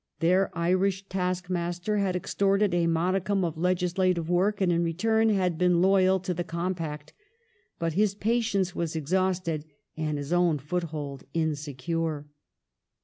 Their Irish taskmaster had extorted a modicum of legislative work, and in return had been loyal to the '' compact ". But his patience was exhausted and his own foothold insecure.